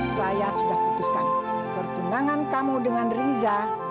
saya sudah putuskan pertundangan kamu dengan riza